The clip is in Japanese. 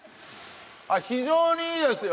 非常にいいですよ！